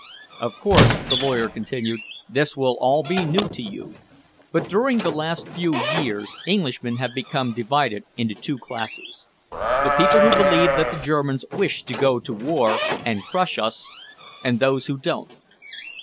"Of course," the lawyer continued, "this will all be new to you, but during the last few years Englishmen have become divided into two classes the people who believe that the Germans wish to go to war and crush us, and those who don't."